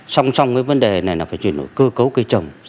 song song với vấn đề này là phải chuyển đổi cơ cấu cây trồng